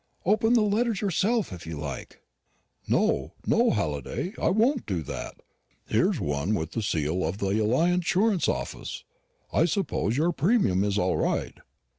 Open the letters yourself, if you like." "No, no, Halliday, I won't do that. Here's one with the seal of the Alliance Insurance Office. I suppose your premium is all right."